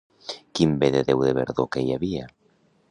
Quin bé de déu de verdor que hi havia!